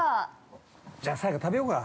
◆じゃあさやか、食べようか。